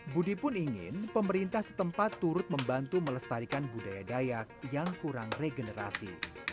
budi pun ingin pemerintah setempat turut membantu melestarikan budaya dayak yang kurang regenerasi